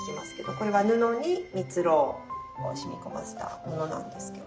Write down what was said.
これは布に蜜ろうを染み込ませたものなんですけど。